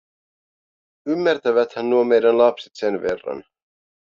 Ymmärtäväthän nuo meidän lapset sen verran.